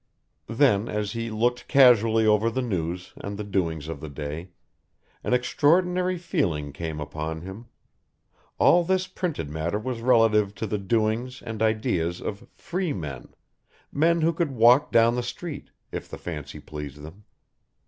Then as he looked casually over the news and the doings of the day, an extraordinary feeling came upon him; all this printed matter was relative to the doings and ideas of free men, men who could walk down the street, if the fancy pleased them.